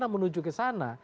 bagaimana menuju kesana